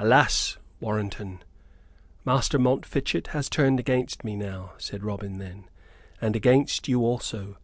"Alas, Warrenton! Master Montfichet has turned against me now," said Robin then, "and against you also.